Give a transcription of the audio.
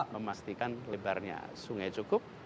memastikan lebarnya sungai cukup